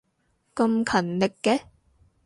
咁勤力嘅